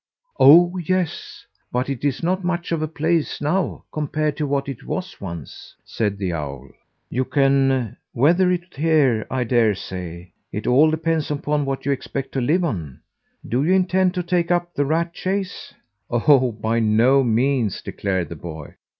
"Oh, yes but it's not much of a place now compared to what it was once," said the owl. "You can weather it here I dare say. It all depends upon what you expect to live on. Do you intend to take up the rat chase?" "Oh, by no means!" declared the boy.